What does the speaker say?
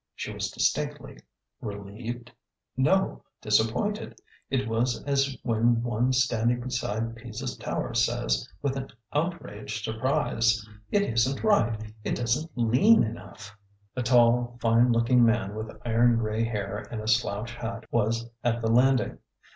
She was distinctly — re lieved? No— disappointed ! It was as when one stand ing beside Pisa's tower says, with outraged surprise, '' It is n't right ! It does n't lean enough !" A tall, fine looking man with iron gray hair and a slouch hat was at the landing.